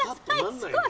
すごい！